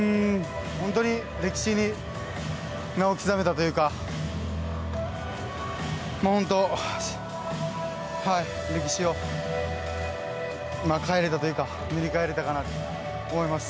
歴史に名を刻めたというか歴史を変えれたというか塗り替えられたかなと思います。